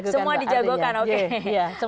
semua dijagokan oke